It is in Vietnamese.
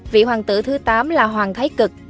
vị hoàng tử thứ tám là hoàng thái cực